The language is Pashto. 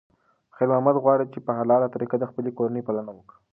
خیر محمد غواړي چې په حلاله طریقه د خپلې کورنۍ پالنه وکړي.